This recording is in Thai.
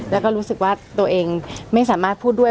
แล้วก็รู้สึกว่าตัวเองไม่สามารถพูดด้วย